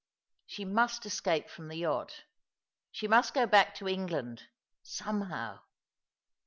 She must escape from the yacht. She must go back to England — somehow.